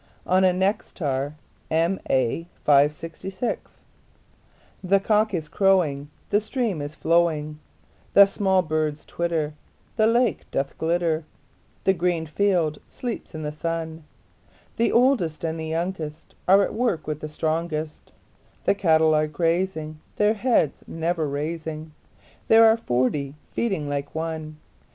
William Wordsworth Written in March THE cock is crowing, The stream is flowing, The small birds twitter, The lake doth glitter The green field sleeps in the sun; The oldest and youngest Are at work with the strongest; The cattle are grazing, Their heads never raising; There are forty feeding like one!